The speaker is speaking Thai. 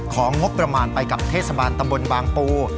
ของงบประมาณไปกับเทศบาลตำบลบางปู